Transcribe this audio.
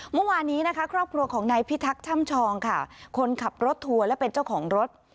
เมื่อวานนี้นะคะครอบครัวของนายพิทักษ์ช่ำชองค่ะคนขับรถทัวร์และเป็นเจ้าของรถ